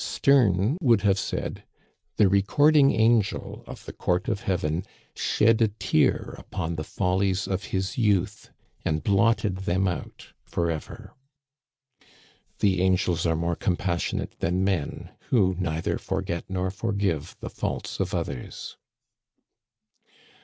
Sterne would have said :" The recording angel of the court of heaven shed a tear upon the follies of his youth, and blotted them out forever." The angels are more compassionate than men, who neither forget nor forgive the faults of others